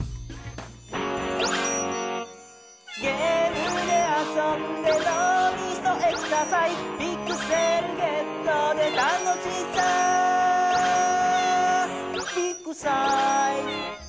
「ゲームであそんでのうみそエクササイズ」「ピクセルゲットで楽しさビッグサイズ」